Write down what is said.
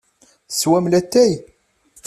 Teswam latay?